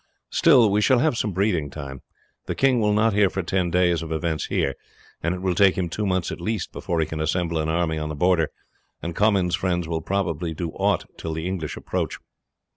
Still we shall have some breathing time. The king will not hear for ten days of events here, and it will take him two months at least before he can assemble an army on the Border, and Comyn's friends will probably do nought till the English approach.